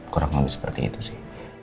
kurang lebih seperti itu sih